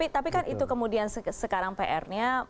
tapi kan itu sekarang kan pr nya